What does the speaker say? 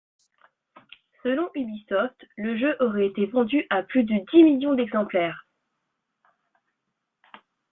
Selon Ubisoft, le jeu aurait été vendu a plus de dix millions d'exemplaires.